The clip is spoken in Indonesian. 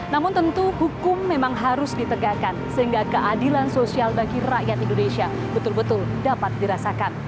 namun tentu hukum memang harus ditegakkan sehingga keadilan sosial bagi rakyat indonesia betul betul dapat dirasakan